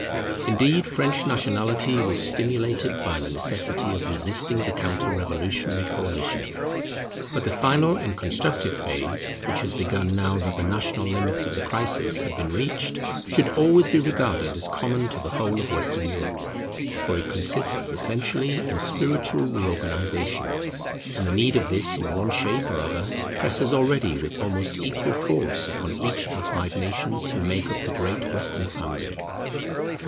Indeed French nationality was stimulated by the necessity of resisting the counter revolutionary coalition. But the final and constructive phase which has begun now that the national limits of the crisis have been reached, should always be regarded as common to the whole of Western Europe. For it consists essentially in spiritual reorganization; and the need of this in one shape or other presses already with almost equal force upon each of the five nations who make up the great Western family.